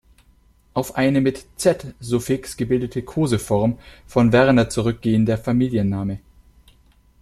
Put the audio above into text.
Auf eine mit -"z"-Suffix gebildete Koseform von Werner zurückgehender Familienname.